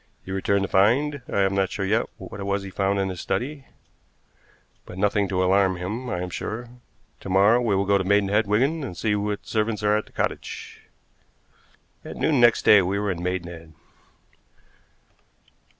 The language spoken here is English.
He returned to find I am not sure yet what it was he found in his study, but nothing to alarm him, I am sure. To morrow we will go to Maidenhead, Wigan, and see what servants are at the cottage." At noon next day we were in Maidenhead.